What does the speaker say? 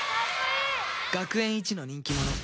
学園一の人気者